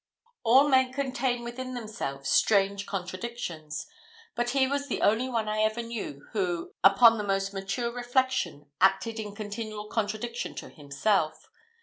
All men contain within themselves strange contradictions; but he was the only one I ever knew, who, upon the most mature reflection, acted in continual contradiction to himself.